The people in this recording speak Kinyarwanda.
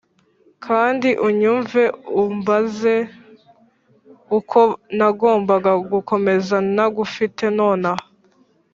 kandi unyumve umbaze uko nagombaga gukomeza ntagufite nonaha?